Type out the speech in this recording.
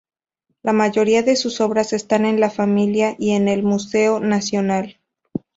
La mayoría de sus obras están en la familia y en el Museo Nacional.